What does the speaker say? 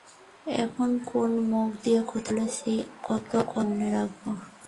এখন কোন মুখ দিয়ে কোথায় কী বলেছি কত আর মনে রাখবো।